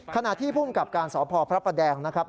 ขณะที่ภูมิกับการสพพระประแดงนะครับ